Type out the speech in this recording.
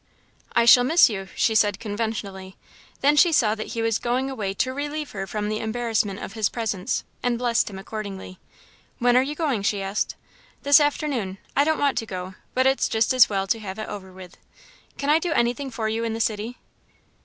"I shall miss you," she said, conventionally. Then she saw that he was going away to relieve her from the embarrassment of his presence, and blessed him accordingly. "When are you going?" she asked. "This afternoon. I don't want to go, but it's just as well to have it over with. Can I do anything for you in the city?"